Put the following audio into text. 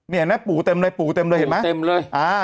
นี่เห็นไหมปูเต็มเลยปูเต็มเลยเห็นไหมปูเต็มเลยอ่า